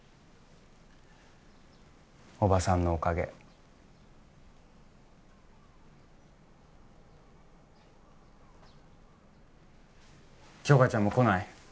おばさんのおかげ杏花ちゃんも来ない？